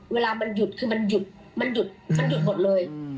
เวลามันหยุดคือมันหยุดมันหยุดมันหยุดหมดเลย